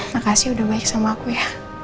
makasih udah baik sama aku ya